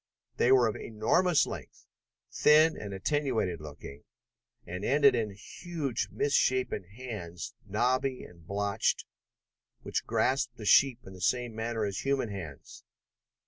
There were of enormous length, thin and attenuated looking, and ended in huge misshapen hands, knobby and blotched, which grasped the sheep in the same manner as human hands.